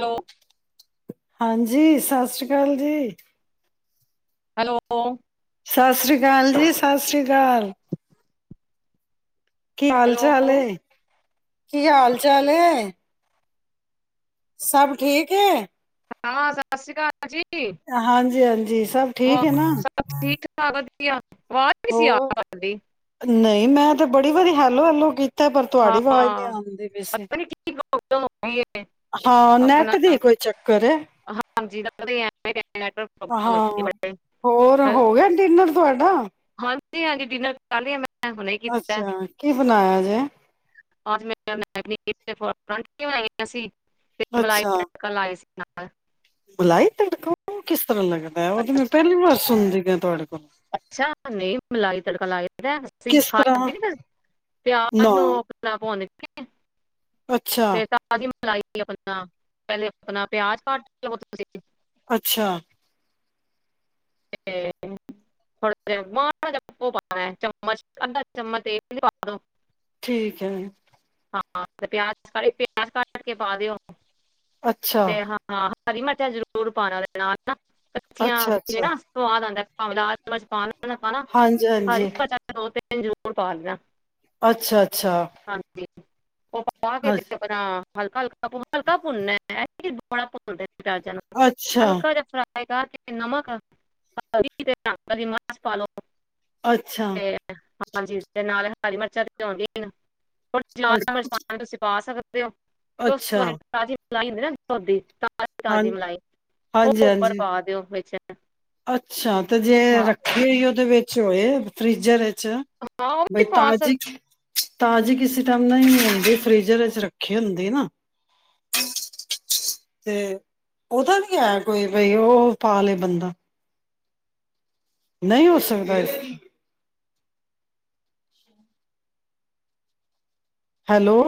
Hello ਹਾਂਜੀ ਸਤਿ ਸ਼੍ਰੀ ਅਕਾਲ ਜੀ ਹੈਲੋ ਸਤਿ ਸ੍ਰੀ ਅਕਾਲ ਜੀ ਸਤਿ ਸ਼੍ਰੀ ਅਕਾਲ ਕੀ ਹਾਲ ਹੈਲੋ ਚਾਲ ਹੈ? ਕੀ ਹਾਲ ਚਾਲ ਹੈ? ਸਭ ਠੀਕ ਹੈ? ਹਾਂ ਸਤਿ ਸ਼੍ਰੀ ਅਕਾਲ ਜੀ। ਹਾਂਜੀ ਹਾਂਜੀ ਸਭ ਠੀਕ ਹੈ ਵਾਹ ਨਾ? ਸਭ ਠੀਕ [inaudible] ਨੀ ਸੀ ਆ ਹੋਰ ਰਹੀ ਤੁਹਾਡੀ ਨਹੀਂ ਮੈਂ ਤਾਂ ਬੜੀ ਵਾਰੀ ਹੈਲੋ ਹੈਲੋ ਕੀਤੀ ਪਰ ਤੁਹਾਡੀ ਆਵਾਜ਼ ਨੀ ਹਾਂ ਆਉਂਦੀ ਵੈਸੇ ਪਤਾ ਨੀ ਕੀ ਪ੍ਰੋਬਲਮ ਹੋ ਗਈ ਏ ਹਾਂ ਆਪਣਾ ਨੈਟ ਦੀ ਕੋਈ ਚੱਕਰ ਹਾਂਜੀ ਨੈਟਵਰਕ ਪ੍ਰੋਬਲਮ ਹੁੰਦੀ ਹਾਂ ਬੜੇ ਹੋਰ ਹੈਲੋ, ਹੋ ਗਿਆ ਡਿਨਰ ਤੁਹਾਡਾ? ਹਾਂਜੀ ਹਾਂਜੀ ਡਿਨਰ ਕ ਮੈਂ ਹੁਣੇ ਅੱਛਾ ਕੀ ਬਣਾਇਆ ਜੇ ਬਣਾ ਗਈ ਸੀ ਤੇ ਮਲਾਈ ਅੱਛਾ ਰਿੜਕਣ ਲਾਏ ਸੀ ਨਾ ਮਲਾਈ ਤੜਕਾ ਔ ਕਿਸ ਤਰ੍ਹਾਂ ਲੱਗਦਾ? ਔ ਤੇ ਮੈਂ ਪਹਿਲੀ ਵਾਰ ਸੁਣ ਰਹੀ ਹਾਨ ਤੁਹਾਡੇ ਕੋਲ। ਅੱਛਾ, ਨਹੀਂ ਮਲਾਈ ਤੜਕਾ ਲਗਦਾ। ਅਸੀਂ ਕਿਸ ਤਰ੍ਹਾਂ ਖਾਂਦੇ ਨਹੀ ਪਿਆਜ ਨੂੰ ਨਾ ਪੇਲਾ ਪੁਨ ਕੇ। [unintelligible] ਅੱਛਾ, ਤੇ ਤਾਜੀ ਮੱਲ ਮਲਾਈ [unintelligible] ਆਪਣਾ, ਪਹਿਲੇ ਆਪਣਾ ਪਿਆਜ ਕੱਟ ਲੋ ਥੋਡੇ ਜੇ। ਅੱਛਾ। ਤੇ ਥੋੜਾ ਜਯਾ ਮਾੜਾ ਜਾ ਕਯੋ ਪਾਣਾ ਚਮਚ ਅੱਧਾ ਚਮਚ ਤੇਲ ਪਾਦੋ। ਠੀਕ ਹੈ। ਹਾਂ ਤੇ ਪਿਆਜ ਸਾਰੇ ਪਿਆਜ ਕੱਟ ਕੇ ਪਾ ਦਯੋ। ਅੱਛਾ, ਤੇ ਹਾਂ ਹਾਂ। ਹਰੀ ਮਿਰਚ ਦਾ ਜ਼ਰੂਰ ਪਾਣਾ ਨਾਲ। ਕੱਚੀਆਂ ਅੱਛਾ, ਚ ਜ ਅੱਛਾ। ਨਾ ਸਵਾਦ ਆਂਦਾ। ਭਾਵੇਂ ਲਾਲ ਮਰਚ ਪਾਨ [unintelligible] ਪਾਣਾ, ਹਰੀ ਹਾਂਜੀ-ਹਾਂਜੀ, ਮਰਚ ਦਾ ਦੋ ਤੀਨ ਜ਼ਰੂਰ ਪਾ ਲੈਣਾ। ਅੱਛਾ ਅੱਛਾ। [unintelligible] ਔ ਪਾ ਕਿ ਤੇ ਆਪਣਾ ਹਲਕਾ ਹਲ ਹਲਕਾ ਪੁਨਨੇ। [unintelligible] [unintelligible] ਹਲਕਾ ਅੱਛਾ, ਜ ਫਰਾ [unintelligible] ਨਮਕ, ਹਲਕੀ ਜੇਹੀ ਰੰਗਦਾਰ ਮਰਚ ਪਾ ਲੋ। ਅੱਛ- ਤੇ ਹਾਂਜੀ, ਤੇ ਨਾਲੇ ਹਰੀ ਮਿਰਚਾਂ ਤੇ ਹੋਂਦਿਆਂ ਹੀਨ। ਹੁਨ ਅੱਛਾ, ਅ [unintelligible] ਤੁਸੀਂ ਪਾ ਸਕਦੇ ਤੇ ਔ ਔਸ ਤੋਂ ਅੱਛਾ, ਬਾਦ ਤਾਜ਼ੀ [unintelligible] ਹੁੰਦੀ ਏ ਨਾ [unintelligible] [unintelligible] ਹਾਂ ਤਾਜ਼ੀ ਮਲਾਈ ਔ ਓਪਰ ਹਾਂਜੀ-ਹਾਂਜੀ, ਪਾ ਦਯੋ ਵਿੱਚ ਅੱਛਾ। ਤੇ ਜੇ ਹਾਂ ਰੱਖੀ ਹੋਇ ਏ ਔਦੇ ਵਿੱਚ ਚੋਏ ਫ੍ਰੀਜਰ ਏ ਅੱਛਾ ਹਾਂ ਉਹ ਬਈ ਵੀ ਪਾ ਤਾਜੀ ਤਾਜ਼ੀ ਕਿਸੇ ਟਾਈਮ ਨਯੀ ਵੀ ਹੁੰਦੀ ਫ੍ਰਿਜ਼ਰ ਏਚ ਰੱਖੀ ਹੁੰਦੀ ਨਾ, ਤੇ ਔਦਾ ਵੀ ਹੈ ਕੋਈ ਬਈ ਔ ਪਾ ਲੇ ਬੰਦਾ। ਨਹੀਂ ਹੋ ਸਕਦਾ ਇਸ hello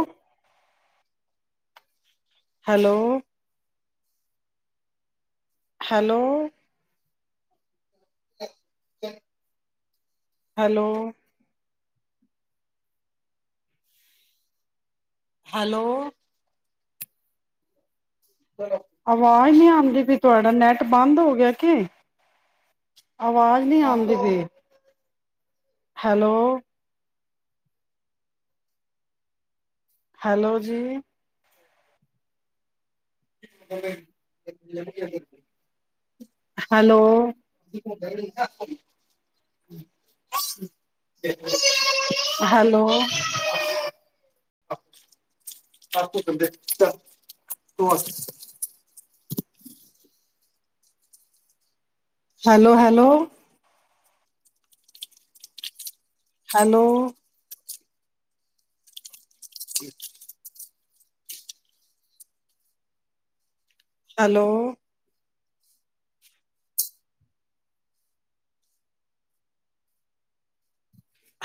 hello hello hello hello ਅਵਾਜ਼ ਨੀ ਆਉਂਦੀ ਪਈ ਤੁਹਾਡਾ ਨੈਟ ਬੰਦ ਹੋ ਗਿਆ ਕਿ ਅਵਾਜ਼ ਨੀ ਆਉਂਦੀ ਪਈ ਹੈਲੋ ਹੈਲੋ ਜੀ ਹੈਲੋ ਹੈਲੋ ਅਦੇ ਤੂੰ ਹੈਲੋ ਹੈਲੋ ਹੈਲੋ ਠੀਕ ਹੈਲੋ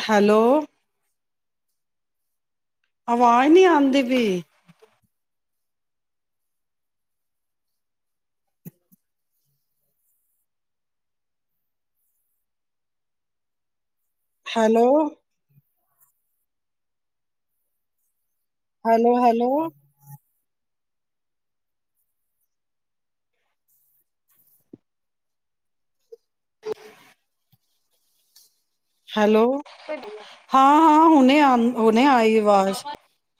ਹੈਲੋ ਆਵਾਜ਼ ਨਹੀਂੀ ਆਉਂਦੀ ਵੀਈ ਹੈਲੋ ਹੈਲੋ ਹੈਲੋ ਠ ਹੈਲੋ ਸਕਦੇ ਹਾਂ ਹਾਂ ਹੁਣੇ ਉਹਨੇ ਆਏ ਆਵਾਜ਼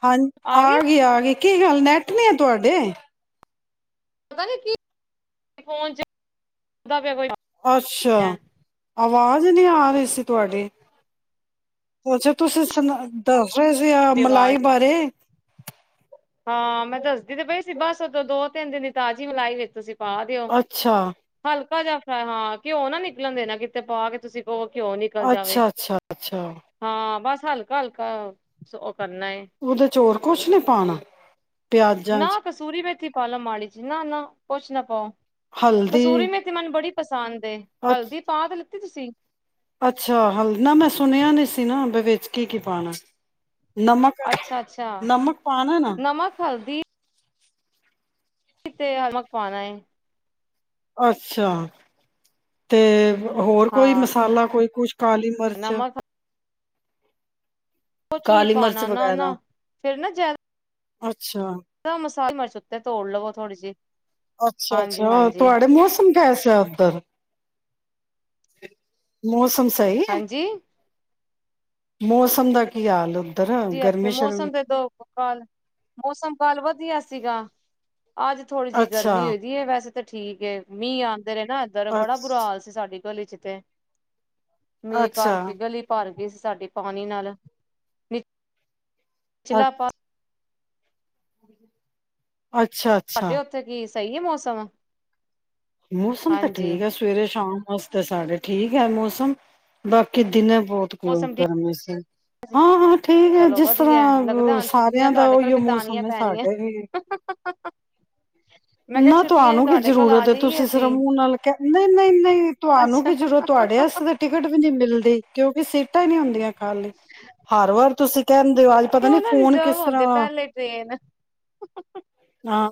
ਹਾਂ ਆ ਗਈ ਆ ਗਈ ਕੀ ਗੱਲ ਨੈਟ ਨੇ ਆ ਤੁਹਾਡੇ ਪਤਾ ਨੀ ਕੀ ਫ ਅੱਛਾ ਆਵਾਜ਼ ਨਹੀਂੀ ਆ ਰਹੀ ਸੀ ਤੁਹਾਡੀ ਅੱਛਾ ਤੁਸੀਂ ਸੁ ਦੱਸ ਦੱਸ ਰਹੇ ਸੀ ਆ ਆਵਾਜ਼ ਮਲਾਈ ਬਾਰੇ ਹਾਂ ਮੈਂ ਦੱਸਦੀ ਤੇ ਪਈ ਸੀ ਬਸ ਉਦੋਂ ਦੋ ਤਿੰਨ ਦਿਨ ਤਾਜ਼ੀ ਮਲਾਈ ਵੇਚ ਸੀ ਪਾ ਦਿਓ ਅੱਛਾ ਹਲਕਾ ਜਾਿਹਾ ਹਾਂ ਘਿਓ ਨਾ ਨਿਕਲਣ ਦੇ ਨਾ ਕਿਤੇ ਪਾ ਕੇ ਤੁਸੀਂ ਘਿਓ ਨਿਕਲ ਅੱਛਾ ਅੱਛਾ ਅੱਛਾ ਹਲਕ ਹਲਕਾ ਕਰਨਾ ਹੈ ਉਹਦੇ ਚ ਹੋਰ ਕੁਛ ਨੀ ਪਾਣਾ ਪਿਆਜਾਂ ਨਾ ਚ ਕਸੂਰੀ ਮੈਂ ਥੀ ਫਾਲੋ ਮ ਸੀ ਨਾ ਨਾ ਪਚਨਾਪ ਹਲਦੀ ਕਸੂਰੀ ਮੇ ਤੇ ਮੈਨੂੰ ਬੜੀ ਸਦੇ ਅ ਹਲਦੀ ਪਾ ਦੇ ਤੁਸੀਂ ਅੱਛਾ ਹ ਨਾ ਮੈਂ ਸੁਣਿਆ ਨਹੀਂ ਸੀ ਨਾ ਵਿੱਚ ਕੀ ਕੀ ਪਾਣਾ ਨਮਕ ਨਮਕ ਪਾਉਣਾ ਨਾ ਕਿਥੇ ਹ ਲਮਕ ਪਾਉਣਾ ਏ। ਅੱਛਾ। ਤੇ ਹੋਰ ਕੋਈ ਮਸਾਲਾ ਕੋਈ ਕੁਛ ਕਾਲੀ ਮਿਰਚ ਕੁਛ ਨੀ ਕਾਲੀ ਮਿਰਚ ਪਾਉਣਾ ਨਾ-ਨਾ ਫਿਰ ਨਾ ਜ ਅੱਛ ਅੱਛਾ। ਸਾਰੀ ਮਿਰਚ ਉੱਤੇ ਤੋੜ ਲਵੋ ਥੋੜੀ ਜਿਹੀ। ਹਾਂਜੀ ਅੱਛਾ-ਅੱਛਾ ਹਾਂਜੀ ਤੁਹਾਡੇ ਮੌਸਮ ਕੈਸੇ ਆ ਉੱਧਰ? ਮੌਸ ਮੋਸ ਸਹੀ ਹੈ। ਹਾਂਜੀ ਮੌਸਮ ਦਾ ਕੀ ਹਾਲ ਉੱਧਰ ਜੀ, ਇੱਥੇ ਗਰਮੀ ਸ਼ਰਮ ਮੌਸਮ ਦੇ, ਦੋ ਹਾਲ ਮੌਸਮ ਕੱਲ ਵਧੀਆ ਸੀ। ਸੀਗਾ। ਅੱਜ ਥੋੜ੍ਹੀ ਜਿਹੀ ਅੱਛਾ, ਗਰਮੀ ਹੋਈਦੀ ਹੈ ਵੈਸੇ ਤੇ ਠੀਕ ਹੈ ਮੀਂਹ ਆਉ ਇੱਧਰ ਨਾ ਇੱਧਰ ਅੱਛ ਬੜਾ ਬੁਰਾ ਹਾਲ ਸੀ ਸਾਡੀ ਗਲੀ ਚ ਤੇ। ਮੀਂਹ ਅੱਛਾ, ਕਰਕੇ ਗਲੀ ਭਰ ਗਈ ਸੀ ਸਾਡੀ। ਪਾਣੀ ਨਾਲ। ਚਲ ਅ ਆਪਾ [inaudible] ਅੱਛਾ-ਅੱਛਾ। ਤੁਹਾਡੇ ਉੱਥੇ ਕੀ ਸਹੀ ਹੈ ਮੌਸਮ। ਮੌਸਮ ਤਾਂ ਹਾਂਜੀ ਠੀਕ ਹੈ ਸਵੇਰੇ- ਸ਼ਾਮ। ਅੱਜ ਤੇ ਸਾਡੇ ਠੀਕ ਹੈ ਮੌਸਮ ਬਾਕੀ ਦਿਨੇ ਬਹੁਤ ਮੌਸਮ ਠੀਕ ਗਰਮੀ ਸੀ, ਹਾਂ-ਹਾਂ ਠੀਕ ਹੈ ਚਲੋ ਜਿਸ ਵਧੀਆ ਲੱਗਦਾ ਤਰ੍ਹਾਂ ਹੁਣ ਸਾਰਿਆਂ ਛੁੱਟੀਆਂ ਦਾ ਤੁਹਾਡੇ ਕੋਲ ਉਹੀ ਮੌਸਮ ਬਿਤਾਨੀਆਂ ਹੈ ਪੈਣੀਆਂ ਸਾਡਾ ਹੀ, ਮੈਂ ਕਿਹਾ ਨਾ ਛੁੱਟੀਆਂ ਚ ਤੁਹਾਨੂੰ ਕੀ ਤੁਹਾਡੇ ਕੋਲ ਆ ਜ਼ਰੂਰਤ ਏ। ਜਾਈਏ ਤੁਸੀਂ ਸਿਰਫ ਅਸੀਂ ਮੂੰਹ ਨਾਲ ਕਹ ਨਹੀਂ-ਨਹੀਂ-ਨਹੀਂ ਤੁਹਾਨੂੰ ਅੱਛਾ ਕਿ ਜ਼ਰੂਰਤ ਤੁਹਾਡੇ ਵਾਸਤੇ ਤਾਂ ਟਿਕਟ ਵੀ ਨਹੀਂ ਮਿਲਦੀ ਕਿਉਂ? [unintelligible] ਟਿਕਟਾਂ ਹੀ ਨੀ ਹੁੰਦੀਆਂ ਖਾਲੀ, ਹਰ ਵਾਰ ਤੁਸੀਂ ਕਹਿੰਦੇ ਹੋ, ਅੱਜ ਪਤਾ ਨੀ ਉਹ ਨਾ ਫੋਨ ਕਿਸ ਰਿਜ਼ਰਵ ਹੁੰਦੇ ਤਰ੍ਹਾਂ ਪਹਿਲੇ ਟ੍ਰੇਨ ਹਾਂ।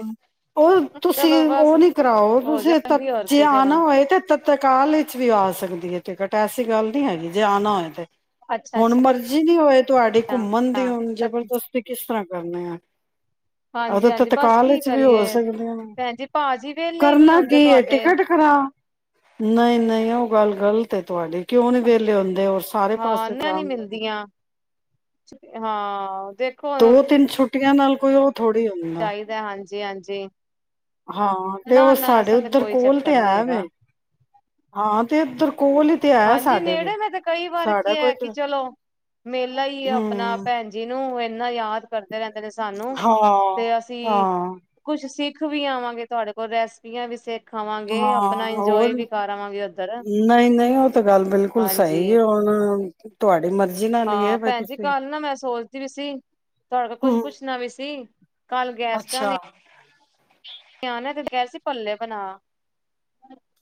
ਉਹ ਤੁਸੀਂ ਚਲੋ ਬਸ ਉਹ ਨੀ ਕਰਾਓ ਹੋ ਤੁਸੀਂ ਜਾਂਦੀ ਹੋਰ ਜੇ ਕੀ ਚਲੋ ਆਨਾ ਹੋਏ ਤਤਕਾਲ ਵਿੱਚ ਵੀ ਆ ਸਕਦੀ ਹੈ ਟਿਕਟ ਐਸੀ ਗੱਲ ਨਹੀਂ ਹੈਗੀ ਜੇ ਆਉਣਾ ਹੋਏ ਤੇ ਅੱਛਾ ਹੁਣ ਅੱਛਾ ਮਰਜ਼ੀ ਨਹੀਂ ਹੋਏ ਤੁਹਾਡੀ ਘੁੰਮਣ ਦੀ ਹਾਂ ਹੁਣ ਜਬਰਦਸਤੀ ਕਿਸ ਤਰ੍ਹਾਂ ਕਰਨੇ ਆ ਹਾਂਜੀ ਉਹਦੇ ਹਾਂਜੀ ਬਸ ਤਤਕਾਲ ਕੀ ਵਿੱਚ ਵੀ ਹੋ ਕਰੀਏ ਸਕਦੀਆਂ ਨੇ ਭੈਣ ਜੀ ਭਾਜੀ ਵਿਹਲੇ ਈ ਨੀ ਕਰਨਾ ਹੁੰਦੇ ਕੀ ਤੁਹਾਡੇ ਟਿਕਟ ਖਰਾ ਨਹੀਂ ਨਹੀਂ ਉਹ ਗੱਲ ਗ਼ਲਤ ਏ ਤੁਹਾਡੀ ਕਿਉਂ ਨੀ ਵਿਹਲੇ ਆਉਂਦੇ ਸਾਰੇ ਹਾਂ ਪਾਸੇ ਨਾ ਨੀ ਜਾਣ ਲ ਮਿਲਦੀਆਂ ਹਾਂ ਦੇਖੋ ਦੋ ਤਿੰਨ ਛੁੱਟੀ ਪਟੀਆਂ ਨਾਲ ਉਹ ਥੋੜ੍ਹੀ ਹੁੰਦਾ ਚਾਹੀਦਾ ਹਾਂਜੀ ਹਾਂਜੀ ਹਾਂ ਤੇ ਨਾ ਉਹ ਨਾ ਸਾਡੇ ਐਸਾ ਤੇ ਉੱਧਰ ਕੋਈ ਕੋਲ ਚੱਕਰ ਤੇ ਨੀ ਹੈ ਹੈਗਾ ਵੇ ਹਾਂ ਤੇ ਇੱਧਰ ਕੋਲ ਹੀ ਤੇ ਹੈ ਹਾਂਜੀ ਸਾਡੇ ਵੀ ਨੇੜੇ ਮ ਤੇ ਕਈ ਵਾਰ ਸਾਡਾ ਕੀ ਕੋਈ ਹੈ ਕਿ ਚਲੋ ਮੇਲਾ ਆਪਣਾ ਹਮ ਭੈਣ ਜੀ ਨੂੰ ਇੰਨਾ ਯਾਦ ਕਰਦੇ ਰਹਿੰਦੇ ਨੇ ਸਾਨੂੰ ਹਾਂ ਤੇ ਅਸੀਂ ਹਾਂ ਕੁਛ ਸਿੱਖ ਵੀ ਆਵਾਂਗੇ ਤੁਹਾਡੇ ਕੋਲ ਰੈਸਪੀਆਂ ਵੀ ਸਿਰਖ ਖਾਵਾਂਗੇ ਹਾਂ ਆਪਣਾ ਇੰਜੋਏ ਹੋਰ ਵੀ ਕਰਵਾਂਗੇ ਉੱਧਰ ਨਹੀਂ ਨਹੀਂ ਉਹ ਤਾਂ ਗੱਲ ਬਿਲਕੁਲ ਹਾਂਜੀ ਸਹੀ ਹੈ ਹੁਣ ਤੁਹਾਡੀ ਮਰਜ਼ੀ ਨਾਲ ਹੀ ਹੈ ਹਾਂ ਬ ਭੈਣ ਜੀ ਤੁਸੀਂ ਕੱਲ ਨਾ ਮੈਂ ਸੋਚਦੀ ਵੀ ਸੀ ਤੁਹਾਡੇ ਕੋਲ ਕੁੱਛ ਹਮ ਪੁੱਛਣਾ ਵੀ ਸੀ ਕੱਲ ਗੈਸਟਾਂ ਨੇ ਅੱਛਾ ਨਿਆਣੇ ਤੇ ਕਿਹਾ ਸੀ ਪੱਲੇ ਬਣਾ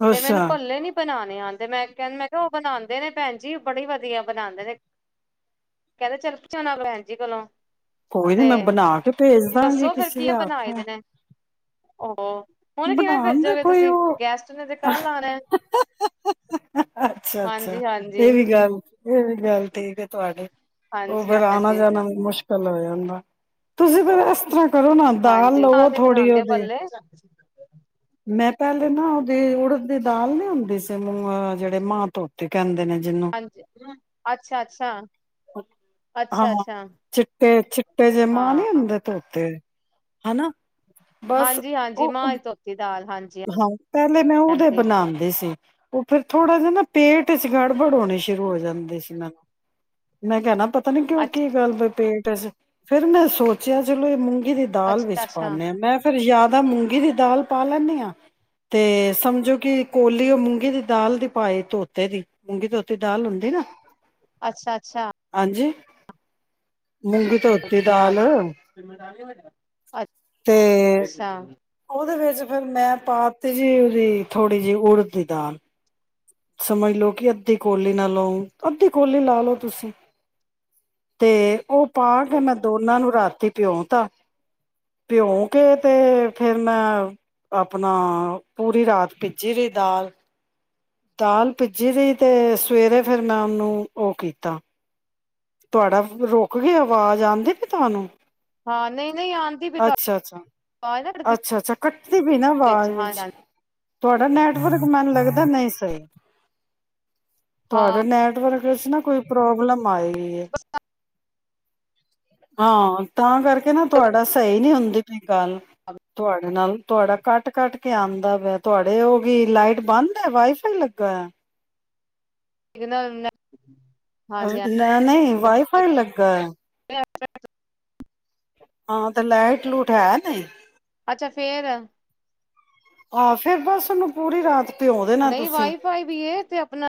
ਤੇ ਅੱਛਾ ਮੈਨੂੰ ਭੱਲੇ ਨੀ ਬਣਾ ਮੈਂਹ ਮੈਂ ਕਿਹਾ ਉਹ ਬਣਾਉਂਦੇ ਨੇ ਭੈਣ ਜੀ ਬੜੀ ਵਧੀਆ ਬਣਾਉਂਦੇ ਨੇ ਕਹਿੰਦੇ ਚੱਲ ਜਾਣਾ ਭੈਣ ਜੀ ਕੋਲੋਂ ਕੋਈ ਨੀ ਤੇ ਮੈਂ ਬਣਾ ਕੇ ਭੇਜ ਦਾਂਗੀ ਦੱਸੋ ਫੇਰ ਕਿਸੇ ਕੀ ਦੇ ਬਣਾਏ ਆਪੋ ਦੇ ਨੇ ਉਹ ਹੁਣ ਕਿਵੇਂ ਬਣਾਉਣ ਦੇ ਭੇਜੋਗੇ ਕੋਈ ਤੁਸੀਂ ਉਹ ਗੈਸਟ ਨੇ ਤੇ ਕੱਲ ਆਣਾ ਅੱਛਾ ਅੱਛਾ ਹਾਂਜੀ ਹਾਂਜੀ। ਇਹ ਵੀ ਗੱਲ ਇਹ ਵੀ ਗੱਲ ਠੀਕ ਹੈ ਤੁਹਾਡੇ ਉਹ ਹਾਂਜੀ ਫੇਿਰ ਆਉਣਾ ਹਾਂਜੀ ਜਾਣਾ ਵੀ ਮੁਸ਼ਕਿਲ ਲ ਹੋ ਜਾਂਦਾ ਤੁਸੀਂ ਫਿਰ ਇਸ ਤਰ੍ਹਾਂ ਕਰੋ ਨਾ ਦਾਲ ਹਾਂਜੀ ਲਵੋ ਨਾਲ ਦੇ ਥੋੜੀ ਬਣਾਂਦੇ ਆ ਉਹਦੇ ਭੱਲੇ। ਮੈਂ ਪਲੇ ਨਾ ਉਹਦੇ ਕੁੜ ਦੀ ਦਾਲ ਨੀ ਹੁੰਦੀ ਸੀ ਮੂੰਹ ਜਿਹੜੇ ਮਾਂ ਧੋਤੀ ਕਹਿੰਦੇ ਨੇ ਜਿਨੂੰ ਹਾਂਜੀ ਅੱਛਾ ਅੱਛਾ ਅੱਛਾ ਹਾਂ ਅੱਛਾ। ਚਿੱਟੇ ਚਿੱਟੇ ਜਿੇ ਮਾਂ ਨੀ ਹਾਂ ਹੁੰਦੇ ਤੋਤੇ ਹਨਾ ਬਸ ਹਾਂਜੀ ਹਾਂਜੀ ਉਹ ਮਾਂਹ ਧੋਤੀ ਦਾਲ ਹਾਂਜੀ ਹਾਂ ਪਹਿਲੇ ਮੈਂ ਉਹਦੇ ਹਾਂਜੀ ਬਣਾਉਂਦੀ ਸੀ ਉਹ ਫੇਿਰ ਥੋੜਾ ਜਿ ਨਾ ਪੇਟ ਚ ਗੜਬੜ ਹੋਣੀ ਸ਼ੁਰੂ ਹੋ ਜਾਂਦੀ ਸੀ ਮੈਨੂੰ ਮੈਂ ਕਹਿਣਾ ਪਤਾ ਪਤਾ ਨਹੀਂ ਕਿਉਂ ਅੱਛ ਕੀ ਗੱਲ ਬ ਪੇਟ ਫੇਿਰ ਮੈਂ ਸੋਚਿਆ ਚਲੋ ਇਹ ਮੂੰ ਦੀ ਦਾਲ ਅੱਛਾ ਵਿੱਚ ਅੱਛਾ। ਪਾਉਂੇ ਹਾਂ ਮੈਂ ਫੇਿਰ ਯਾਦ ਾਂ ਮੂੰਗੀ ਦੀ ਦਾਲ ਪਾ ਲੈਂਨਦੇ ਹਾਂ ਤੇ ਸਮਝੋ ਕਿ ਕੋਲੀ ਉਹ ਮੂੰਗੀ ਦੀ ਦਾਲ ਦੀ ਪਏ ਧੋਤੇ ਦੀ ਮੂੰਗੀ ਧੋਤੀ ਦਾਲ ਹੁੰਦੀ ਨਾ ਅੱਛਾ ਅੱਛਾ ਹਾਂਜੀ ਨੂੰਗੀੂ ਧੋਤੀ ਦਾਲ ਨਾਲ ਤੇ ਅੱਛਾ ਉਹਦੇ ਵਿੱਚ ਫਿਰ ਮੈਂ ਪਾਤੀ ਜੀ ਉਹਦੀ ਥੋੜ੍ਹੀ ਜਿਹੀ ਉਲ ਦੀ ਦਾਲ ਸਮਝ ਲੋੋ ਕਿ ਅੱਧੀ ਕੋਲੀ ਨਾ ਲਓ ਅੱਧੀ ਕੋਲੀ ਲਾ ਲਓ ਤੁਸੀਂ ਤੇ ਉਹ ਪਾ ਕੇ ਮੈਂ ਦੋਨਾਂ ਨੂੰ ਰਾਤੀ ਪਿਉ ਭਿਉ ਕੇ ਤੇ ਫੇਿਰ ਮੈਂ ਆਪਣਾ ਪੂਰੀ ਰਾਤ ਭੀਜੀ ਰਹੀ ਦਾਲ ਦਾਲ ਭਿੱਜੀ ਰਹੀ ਤੇ ਸਵੇਰੇ ਫਿਰ ਮੈਂ ਉਹਨੂੰ ਉਹ ਕੀਤਾ ਤੁਹਾਡਾ ਰੁਕ ਗ ਆਵਾਜ਼ ਆਉਂਦੀ ਪ ਤੁਹਾਨੂੰ ਹਾਂ ਨਹੀਂ ਨਹੀਂ ਆਂਦੀ ਵੀ ਤਾਂ ਅੱਛਾ ਅੱਛਾ ਆਵਾਜ਼ ਨਾ ਕਟਦੀ ਅੱਛਾ ਅੱਛਾ ਕੱਟਦੀ ਪਈ ਨਾ ਆਵਾਜ਼ ਵਿੱਚ ਤੁਹਾਡਾ ਨੈਟਵਰਕ ਮੈਨ ਲੱਗਦਾ ਨਹੀਂ ਸਹੀ ਹਾਂ ਤੁਹਾਡਾ ਨੈਟਵਰਕ ਕੁਛ ਨਾ ਕੋਈ ਪ੍ਰੋਬਲਮ ਆਏਗੀ ਬ ਹਾਂ ਤਾਂ ਕਰਕੇ ਕਹਿੰ ਤੁਹਾਡਾ ਸਹੀ ਨਹੀਂੀ ਹੁੰਦੀ ਗੱਲ ਤੁਹਾਡੇ ਨਾਲ ਤੁਹਾਡਾ ਕੱਟ ਕੱਟ ਕੇ ਆਉਂਦਾ ਪਿਆ ਤੁਹਾਡੇ ਉਹ ਗ ਲਾਈਟ ਬੰਦ ਹੈ ਵਾਈ ਫਾਈ ਲੱਗਾ ਆ ਇੱਕ ਨਾ ਨਹੀਂ ਵਾਈਫਾਈ ਲੱਗਾ ਹੈ ਚ ਹਾਂ ਤੇ ਲਾਈਟ ਲੂਟ ਹੈ ਨਹੀਂ ਅੱਛਾ ਫੇਰ ਆਹ ਫੇਿਰ ਬਸ ਉਹਨੂੰ ਪੂਰੀ ਰਾਤ ਭਿਉਂਦੇ ਨਾ ਨਹੀਂ ਤੁਸੀਂ ਵਾਈਫਾਈ ਵੀ ਏ ਤੇ ਆਪਣਾ